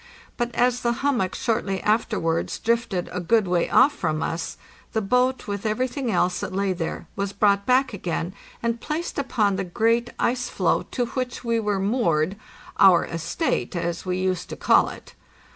But as the hummock shortly afterwards drifted a good way off from us, the boat, with everything else that lay there, was brought back again and placed upon the great ice floe to which we were moored—our "estate," as we used to call it.